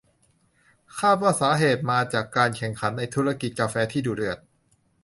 คาดว่าสาเหตุมาจากการแข่งขันในธุรกิจกาแฟที่ดุเดือด